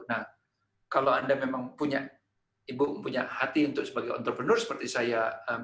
nah kalau anda memang punya ibu punya hati untuk sebagai entrepreneur seperti saya